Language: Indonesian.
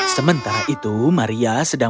sementara itu maria sedang berjalan pulang